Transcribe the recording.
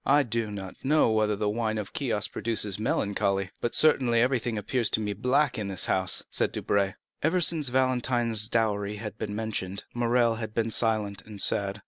"I do not know whether the wine of Chios produces melancholy, but certainly everything appears to me black in this house," said Debray. Ever since Valentine's dowry had been mentioned, Morrel had been silent and sad.